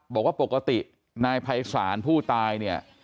บอกว่าปกตินายภัยศาลผู้ตายเนี่ย